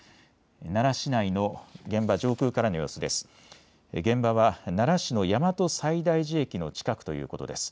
奈良市内の現場上空からの様子です。